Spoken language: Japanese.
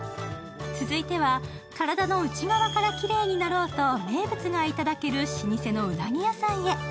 続いては体の内側からきれいになろうと、名物がいただける老舗のうなぎ屋さんへ。